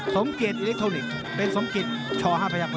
สมเกตอิเล็กโทนิกส์เป็นสมเกตช๕พยาคม